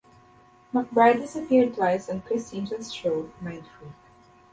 McBride has appeared twice on Criss Angel's show MindFreak.